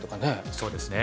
そうですね。